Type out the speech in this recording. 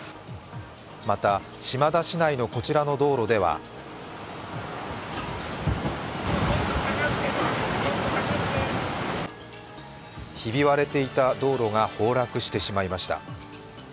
また、島田市内のこちらの道路ではひび割れていた道路が崩落してしまいました。